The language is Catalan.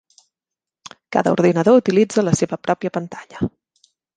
Cada ordinador utilitza la seva pròpia pantalla.